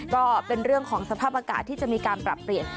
ก็เป็นเรื่องของสภาพอากาศที่จะมีการปรับเปลี่ยน